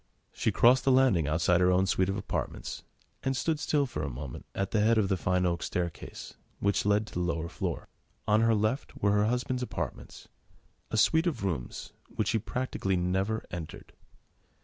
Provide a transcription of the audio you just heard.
She crossed the landing outside her own suite of apartments, and stood still for a moment at the head of the fine oak staircase, which led to the lower floor. On her left were her husband's apartments, a suite of rooms which she practically never entered.